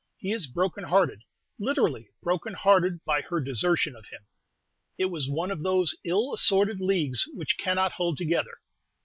He is broken hearted literally broken hearted by her desertion of him. It was one of those ill assorted leagues which cannot hold together.